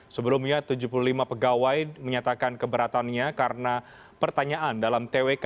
sebelumnya tujuh puluh lima pegawai menyatakan keberatannya karena pertanyaan dalam twk